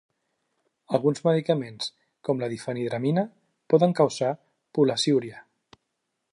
Alguns medicaments com la difenhidramina poden causar pol·laciúria.